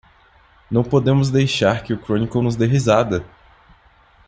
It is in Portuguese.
Não podemos deixar que o Chronicle nos dê risada!